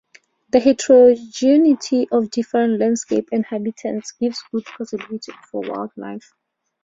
The heterogeneity of different landscapes and habitats gives good possibilities for wildlife.